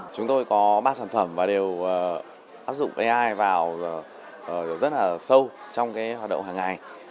chúng tôi có ba sản phẩm và đều áp dụng ai vào rất là sâu trong cái hoạt động hàng ngày